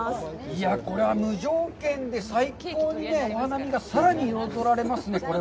いやぁ、これは無条件で最高のお花見がさらに彩られますね。